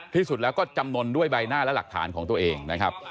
ที่สุดแล้วก็จำนวนด้วยใบหน้าและหลักฐานของตัวเองนะครับ